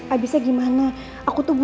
ehhh takut banget rappers